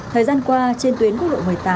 thời gian qua trên tuyến quốc lộ một mươi tám